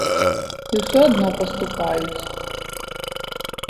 І ўсё адно паступаюць!